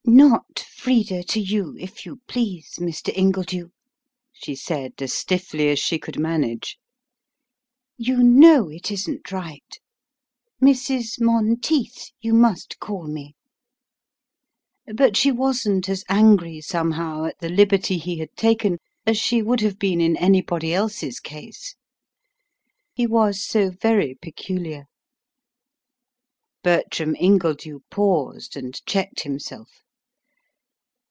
"NOT Frida to you, if you please, Mr. Ingledew," she said as stiffly as she could manage. "You know it isn't right. Mrs. Monteith, you must call me." But she wasn't as angry, somehow, at the liberty he had taken as she would have been in anybody else's case; he was so very peculiar. Bertram Ingledew paused and checked himself.